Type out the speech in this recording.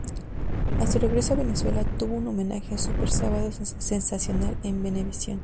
A su regreso a Venezuela tuvo un homenaje en Súper Sábado Sensacional en Venevisión.